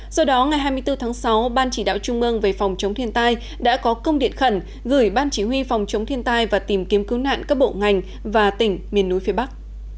do đó ngày hai mươi bốn tháng sáu ban chỉ đạo trung ương về phòng chống thiên tai đã có công điện khẩn gửi ban chỉ huy phòng chống thiên tai và tìm kiếm cứu nạn các bộ ngành và tỉnh miền núi phía bắc